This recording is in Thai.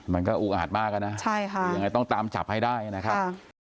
มันก็อุกอาจมากนะใช่ค่ะยังไงต้องตามจับให้ได้นะครับ